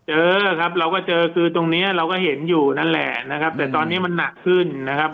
เจอครับเราก็เจอคือตรงเนี้ยเราก็เห็นอยู่นั่นแหละนะครับแต่ตอนนี้มันหนักขึ้นนะครับ